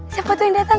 siapa tuh yang datang